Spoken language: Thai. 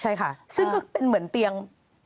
ใช่ค่ะซึ่งก็เป็นเหมือนเตียง